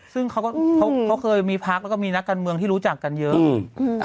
ซึ่งเขาเคยมีพักแล้วก็มีนักการเมืองที่รู้จักกันเยอะ